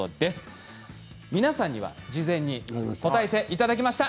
皆さんには事前に答えて頂きました。